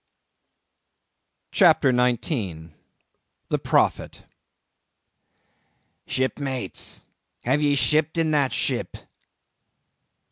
CHAPTER 19. The Prophet. "Shipmates, have ye shipped in that ship?"